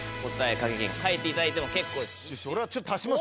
賭け金変えていただいても結構です。